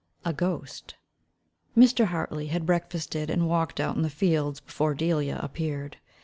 A Ghost. Mr. Hartley had breakfasted and walked out in the fields, before Delia appeared.